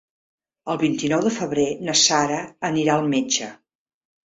El vint-i-nou de febrer na Sara anirà al metge.